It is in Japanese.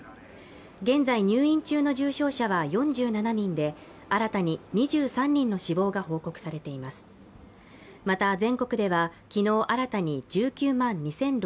現在入院中の重症者は４７人で新たに２３人の死亡が報告されています。